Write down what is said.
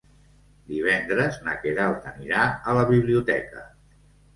Divendres na Queralt anirà a la biblioteca.